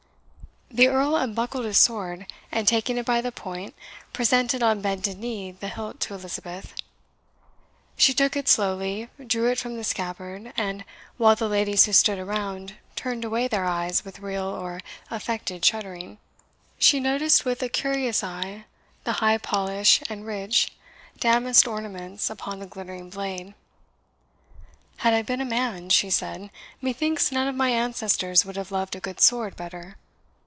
The Earl unbuckled his sword, and taking it by the point, presented on bended knee the hilt to Elizabeth. She took it slowly drew it from the scabbard, and while the ladies who stood around turned away their eyes with real or affected shuddering, she noted with a curious eye the high polish and rich, damasked ornaments upon the glittering blade. "Had I been a man," she said, "methinks none of my ancestors would have loved a good sword better.